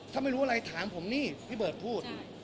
ถ้าไม่รู้อะไรถามผมนี่พี่เบิร์ตพูด